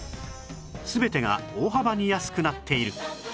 全てが大幅に安くなっている